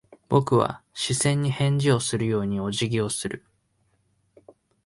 僕は視線に返事をするようにお辞儀をする。